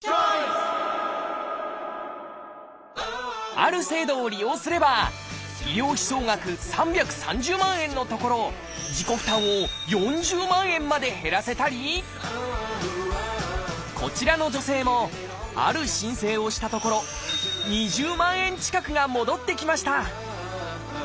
ある制度を利用すれば医療費総額３３０万円のところ自己負担を４０万円まで減らせたりこちらの女性もある申請をしたところ２０万円近くが戻ってきました